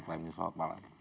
terima kasih pak